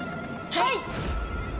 はい！